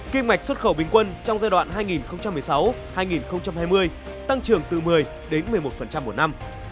kim ngạch xuất khẩu bình quân trong giai đoạn hai nghìn một mươi sáu hai nghìn hai mươi tăng trưởng từ một mươi đến một mươi một một năm